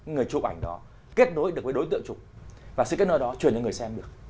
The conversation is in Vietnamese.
người chụp ảnh đó kết nối được với đối tượng chụp và sự kết nối đó truyền cho người xem được